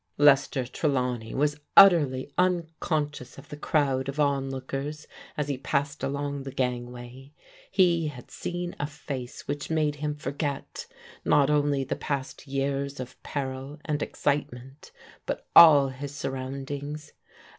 Lester Trelawney was utterly unconscious of the crowd of onlookers as he passed along the gangway. He had seen a face which made him forget, not only the past years of peril, and excitement, but all^his surroundings.